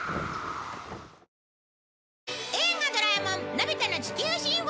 『映画ドラえもんのび太の地球交響楽』。